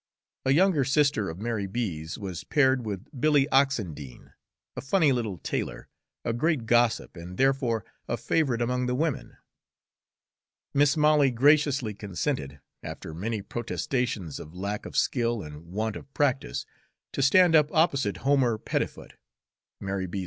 A younger sister of Mary B.'s was paired with Billy Oxendine, a funny little tailor, a great gossip, and therefore a favorite among the women. Mis' Molly graciously consented, after many protestations of lack of skill and want of practice, to stand up opposite Homer Pettifoot, Mary B.'